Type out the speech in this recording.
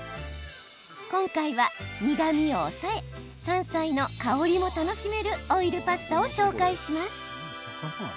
今回は苦みを抑え山菜の香りも楽しめるオイルパスタを紹介します。